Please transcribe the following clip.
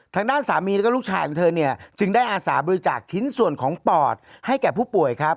ทางด้านสามีแล้วก็ลูกชายของเธอเนี่ยจึงได้อาสาบริจาคชิ้นส่วนของปอดให้แก่ผู้ป่วยครับ